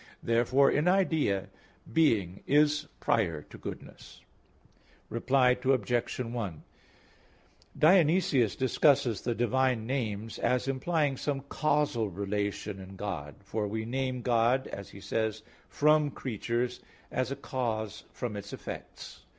Therefore in idea being is prior to goodness. Reply Obj. 1: Dionysius discusses the Divine Names (Div. Nom. i, iii) as implying some causal relation in God; for we name God, as he says, from creatures, as a cause from its effects.